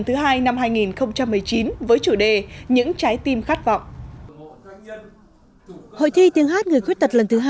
thứ hai năm hai nghìn một mươi chín với chủ đề những trái tim khát vọng hội thi tiếng hát người khuyết tật lần thứ hai